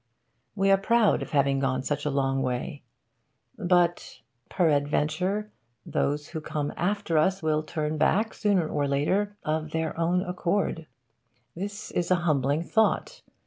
We are proud of having gone such a long way, but...peradventure, those who come after us will turn back, sooner or later, of their own accord. This is a humbling thought.